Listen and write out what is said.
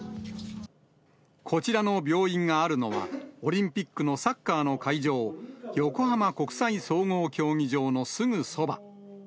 こちらの病院があるのは、オリンピックのサッカーの会場、横浜国際総合競技場のすぐそば。